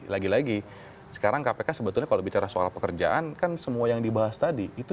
lagi lagi sekarang kpk sebetulnya kalau bicara soal pekerjaan kan semua yang dibahas tadi itu